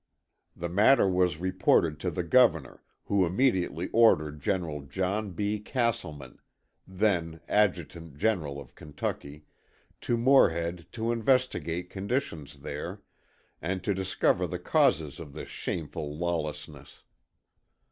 The matter was reported to the Governor, who immediately ordered General John B. Castleman, then Adjutant General of Kentucky, to Morehead to investigate conditions there and to discover the causes of this shameful lawlessness.